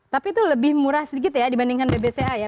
tapi itu lebih murah sedikit ya dibandingkan bbca ya